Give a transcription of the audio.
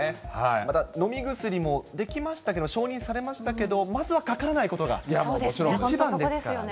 また飲み薬も出来ましたけど、承認されましたけど、まずはかからないことが一番ですからね。